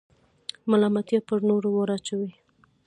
ملامتیا پر نورو وراچوئ.